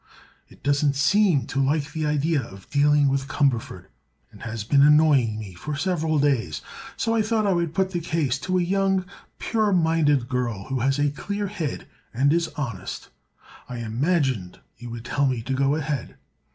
It doesn't seem to like the idea of dealing with Cumberford, and has been annoying me for several days. So I thought I would put the case to a young, pure minded girl who has a clear head and is honest. I imagined you would tell me to go ahead.